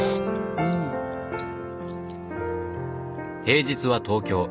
平日は東京